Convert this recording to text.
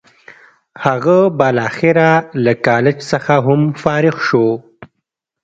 هغه بالاخره له کالج څخه هم فارغ شو.